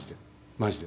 マジで。